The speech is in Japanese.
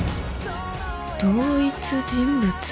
同一人物？